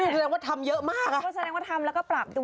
แสดงว่าทำเยอะมากอะแสดงว่าทำแล้วก็ปรับด้วยเนี่ย